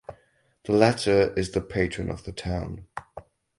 The latter is the patron of the town.